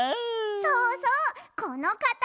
そうそうこのかたち！